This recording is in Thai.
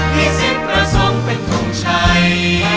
ให้สิทธิ์ประทรงเป็นทุกข์ชัย